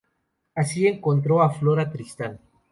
Así encontró a Flora Tristan.